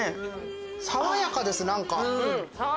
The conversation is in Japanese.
爽やかです何か。